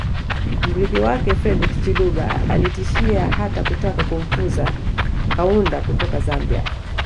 Mrithi wake Frederich Chiluba alitishia hata kutaka kumfuza Kaunda kutoka Zambia